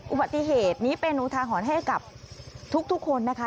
อุบัติเหตุนี้เป็นอุทาหรณ์ให้กับทุกคนนะคะ